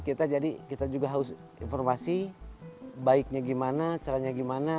kita juga harus informasi baiknya gimana caranya gimana